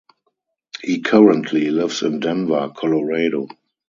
He currently lives in Denver, Colorado.